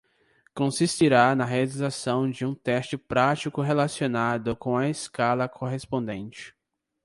Consistirá na realização de um teste prático relacionado com a escala correspondente.